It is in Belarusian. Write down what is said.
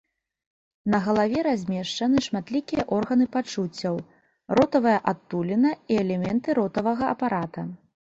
На галаве размешчаны шматлікія органы пачуццяў, ротавая адтуліна і элементы ротавага апарата.